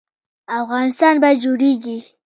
افغانستان به جوړیږي؟